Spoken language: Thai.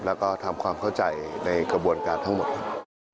แล้วก็ทำความเข้าใจในกระบวนการทั้งหมดครับ